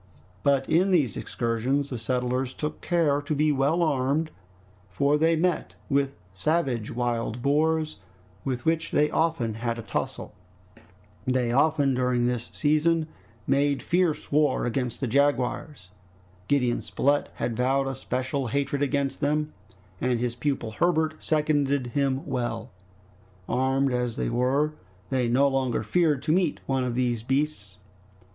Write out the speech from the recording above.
But in these excursions the settlers took care to be well armed, for they met with savage wild boars, with which they often had a tussle. They also, during this season, made fierce war against the jaguars. Gideon Spilett had vowed a special hatred against them, and his pupil Herbert seconded him well. Armed as they were, they no longer feared to meet one of those beasts.